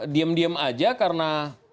diam diam aja karena